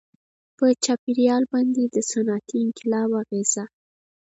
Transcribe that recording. • په چاپېریال باندې د صنعتي انقلاب اغېزه.